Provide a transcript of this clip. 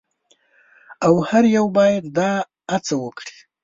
او هر یو باید دا هڅه وکړي.